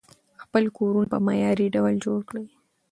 خپل کورونه په معیاري ډول جوړ کړئ.